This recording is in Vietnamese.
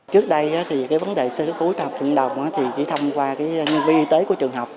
trước đây vấn đề sơ cấp cứu trong học trường đồng chỉ thông qua nhân viên y tế của trường học